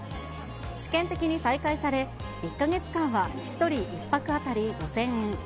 試験的に再開され、１か月間は、１人１泊当たり５０００円。